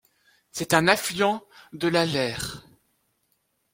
C'est un affluent de la Leyre.